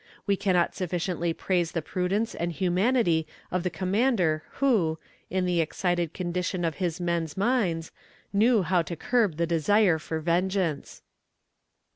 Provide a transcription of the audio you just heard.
We cannot sufficiently praise the prudence and humanity of the commander who, in the excited condition of his men's minds, knew how to curb the desire for vengeance.